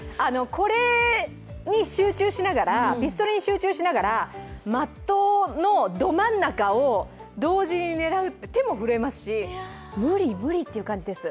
ピストルに集中しながら、的のど真ん中を同時に狙うって、手も震えますし、無理無理、という感じです。